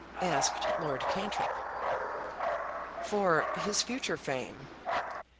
asked Lord Cantrip. "For his future fame.